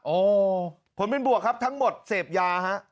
โอ้ผลเป็นบวกครับทั้งหมดเสพยาฮะ